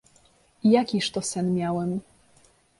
"I jakiż to sen miałem?"